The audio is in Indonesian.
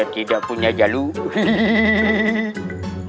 tidak punya jarum